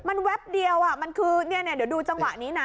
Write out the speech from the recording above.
มันแป๊บเดียวมันคือเนี่ยเดี๋ยวดูจังหวะนี้นะ